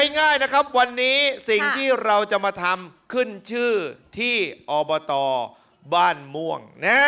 ง่ายนะครับวันนี้สิ่งที่เราจะมาทำขึ้นชื่อที่อบตบ้านม่วง